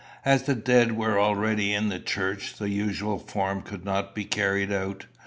As the dead were already in the church, the usual form could not be carried out.